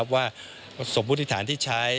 ว่าสมมุติฐานที่ใช้